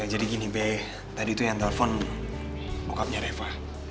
jadi gini be tadi tuh yang telfon bokapnya reva